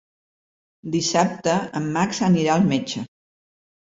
Dissabte en Max anirà al metge.